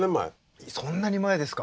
そんなに前ですか。